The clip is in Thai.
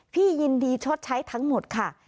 พี่ยินดีชดใช้ทั้งหมดค่ะ